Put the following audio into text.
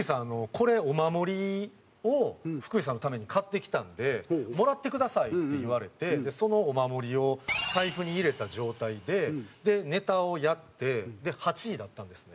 これお守りを福井さんのために買ってきたのでもらってください」って言われてそのお守りを財布に入れた状態でネタをやってで８位だったんですね。